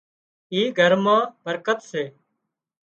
اي گھر مان برڪت سي